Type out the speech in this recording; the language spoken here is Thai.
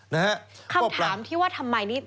คำถามที่ว่าทำไมนี่